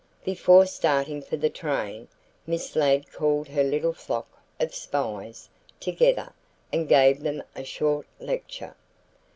Before starting for the train, Miss Ladd called her little flock of "spies" together and gave them a short lecture.